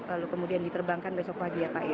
lalu kemudian diterbangkan besok pagi ya pak ya